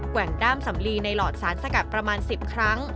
แว่งด้ามสำลีในหลอดสารสกัดประมาณ๑๐ครั้ง